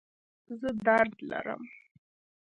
زه درد لرم